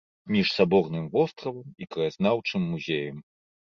Між саборным востравам і краязнаўчым музеем.